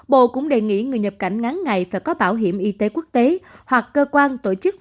bộ cũng đề nghị người nhập cảnh ngắn ngày phải có bảo hiểm y tế quốc tế hoặc cơ quan tổ chức